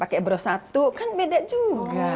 pakai bro satu kan beda juga